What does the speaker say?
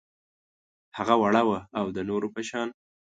هغه وړه وه او د نورو په شان